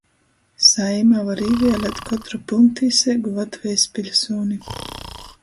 Saeimā var īvielēt kotru pylntīseigu Latvejis piļsūni,